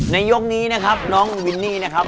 ยกนี้นะครับน้องวินนี่นะครับ